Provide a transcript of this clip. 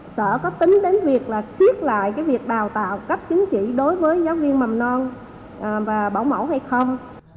sở có tính đến việc là chiếc lại cái việc đào tạo cấp chính trị đối với giáo viên mầm non và bảo mẫu hay không